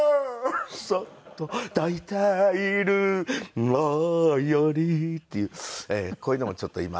「そっと抱いているより」っていうこういうのもちょっと今。